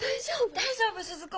大丈夫鈴子？